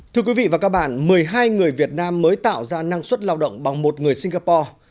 thưa quý vị và các bạn một mươi hai người việt nam mới tạo ra năng suất lao động bằng một người singapore